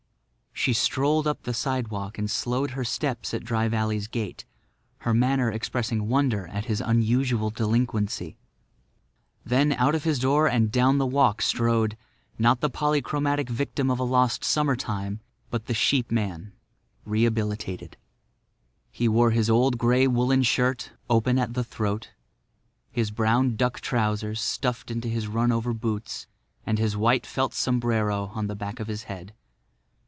She strolled up the sidewalk and slowed her steps at Dry Valley's gate, her manner expressing wonder at his unusual delinquency. Then out of his door and down the walk strode—not the polychromatic victim of a lost summertime, but the sheepman, rehabilitated. He wore his old grey woolen shirt, open at the throat, his brown duck trousers stuffed into his run over boots, and his white felt sombrero on the back of his head.